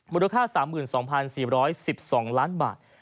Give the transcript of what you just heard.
มูลค่า๓๒๔๑๒ล้านบาท